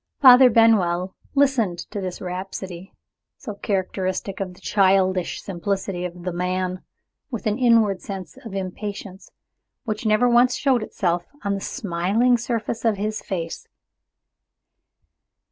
'" Father Benwell listened to this rhapsody so characteristic of the childish simplicity of the man with an inward sense of impatience, which never once showed itself on the smiling surface of his face.